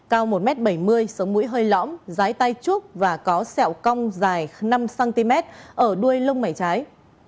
cao một m bảy mươi sống mũi hơi lõm rái tay trúc và có sẹo cong dài năm cm ở đuôi lông mảy trái